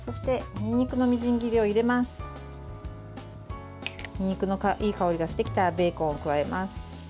にんにくのいい香りがしてきたらベーコンを加えます。